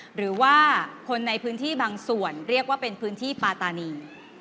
หรือว่าคนในพื้นที่บางส่วนเรียกว่าเป็นพื้นที่ปาตานี